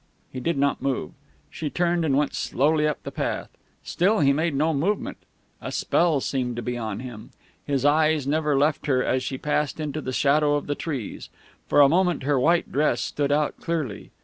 He did not move. She turned, and went slowly up the path. Still he made no movement. A spell seemed to be on him. His eyes never left her as she passed into the shadow of the trees. For a moment her white dress stood out clearly.